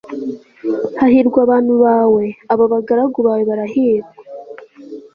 hahirwa abantu bawe, aba bagaragu bawe barahirwa